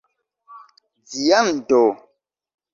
viando